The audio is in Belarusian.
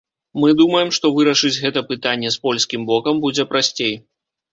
Мы думаем, што вырашыць гэта пытанне з польскім бокам будзе прасцей.